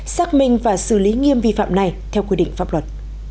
xác minh và xử lý nghiêm vi phạm này theo quy định pháp luật